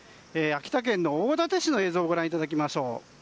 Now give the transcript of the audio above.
秋田県の大館市の映像をご覧いただきましょう。